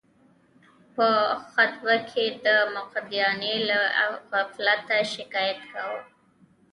په خطبه کې د مقتدیانو له غفلته شکایت کاوه.